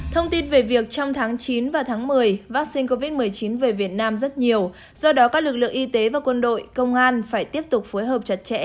thông tin về việc trong tháng chín và tháng một mươi vaccine covid một mươi chín về việt nam rất nhiều do đó các lực lượng y tế và quân đội công an phải tiếp tục phối hợp chặt chẽ